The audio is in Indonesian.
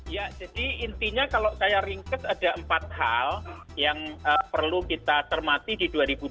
ya jadi intinya kalau saya ringkes ada empat hal yang perlu kita termati di dua ribu dua puluh